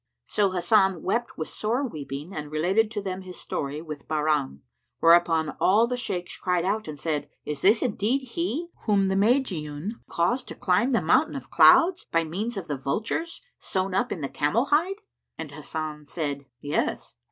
So Hasan wept with sore weeping and related to them his story with Bahram; whereupon all the Shaykhs cried out and said, "Is this indeed he whom the Magian caused to climb the Mountain of Clouds by means of the vultures, sewn up in the camel hide?" And Hasan said, "Yes."